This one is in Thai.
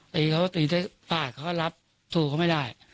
ตีเขาตีได้ฟาดเขาก็รับสู้เขาไม่ได้